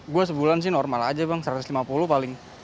gue sebulan sih normal aja bang satu ratus lima puluh paling